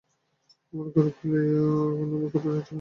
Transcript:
আমার ঘর ফেলিয়া এখন আমি কোথাও যাইতে পারি না।